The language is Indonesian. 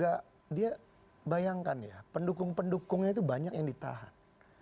pak prabowo itu juga dia bayangkan ya pendukung pendukungnya itu banyak yang ditahan